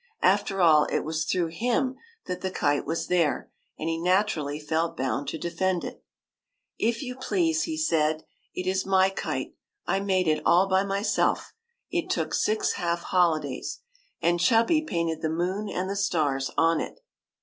After all, it was through him that the kite was there, and he naturally felt bound to defend it. " If you please," he said, " it is my kite. I made it, all by myself, — it took six half holi days ; and Chubby painted the moon and the stars on it."